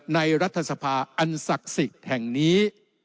รัฐสภาอันศักดิ์สิทธิ์แห่งนี้